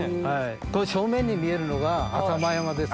正面に見えるのが浅間山です。